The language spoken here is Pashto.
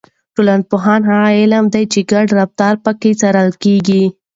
ټولنپوهنه هغه علم دی چې ګډ رفتار پکې څېړل کیږي.